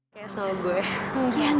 ya udah deh